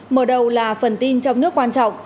mở đầu là phần tin trong nước quan trọng